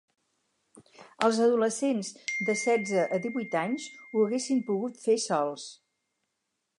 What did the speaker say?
Els adolescents de setze a divuit anys ho haguessin pogut fer sols.